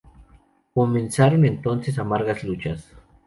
Comenzaron entonces amargas luchas.